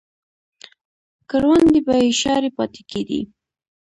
کروندې به یې شاړې پاتې کېدې.